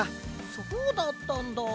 そうだったんだ。